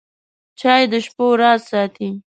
چای د شپو راز ساتي.